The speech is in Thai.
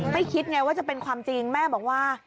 คิดไงว่าจะเป็นความจริงแม่บอกว่า